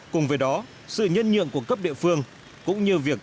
cùng với đó sự nhân nhượng của cấp địa phương cũng như việc